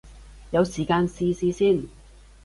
有時間試試先